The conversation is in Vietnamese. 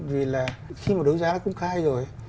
vì là khi mà đấu giá nó cũng khai rồi